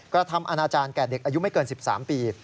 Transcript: กระทำอนาจารย์แก่เด็กอายุไม่เกิน๑๓ปี